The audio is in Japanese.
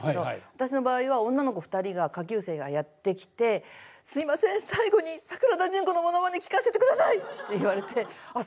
私の場合は女の子２人が下級生がやって来て「すいません最後に桜田淳子のものまね聞かせてください」って言われてあっ